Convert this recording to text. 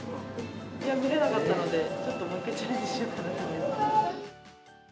いや、見られなかったので、ちょっともう一回チャレンジしようかなと思います。